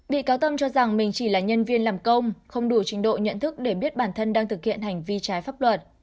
bị cáo tâm cho rằng mình chỉ là nhân viên làm công không đủ trình độ nhận thức để biết bản thân đang thực hiện hành vi trái pháp luật